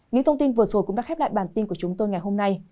những thông tin vừa rồi cũng đã khép lại bản tin của chúng tôi ngày hôm nay